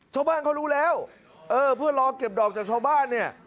ชาวบ้านเขารู้แล้วเออเพื่อรอเก็บดอกจากชาวบ้านเนี่ย